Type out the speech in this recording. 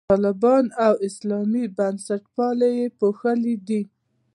طالبان او اسلامي بنسټپالنه یې پوښلي دي.